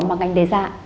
mà ngành đề ra